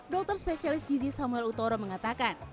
dokter spesialis gizi samuel utoro mengatakan